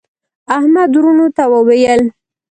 احمد وروڼو ته وویل: